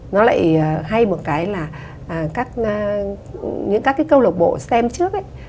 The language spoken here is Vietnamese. nó lại hay một cái là các những các cái câu lạc bộ stem trước ấy